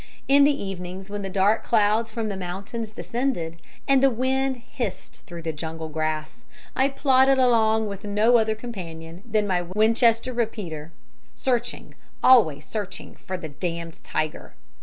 In the evenings, when the dark clouds from the mountains descended and the wind hissed through the jungle grass, I plodded along with no other companion than my Winchester repeater searching, always searching for the damned tiger.